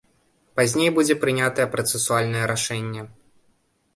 Пазней будзе прынятае працэсуальнае рашэнне.